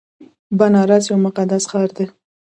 بنارس یو مقدس ښار دی.